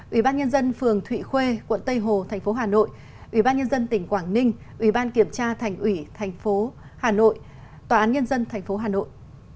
ủy ban nhân dân phường thụy khuê quận tây hồ thành phố hà nội ủy ban nhân dân tỉnh quảng ninh ủy ban kiểm tra thành ủy thành phố hà nội tòa án nhân dân tp hà nội